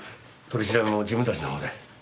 取り調べも自分たちのほうで。